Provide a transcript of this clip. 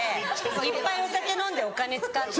いっぱいお酒飲んでお金使って。